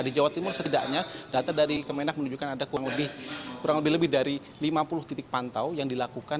di jawa timur setidaknya data dari kemenak menunjukkan ada kurang lebih lebih dari lima puluh titik pantau yang dilakukan